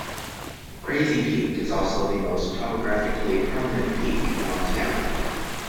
Crazy Peak is also the most topographically prominent peak in Montana.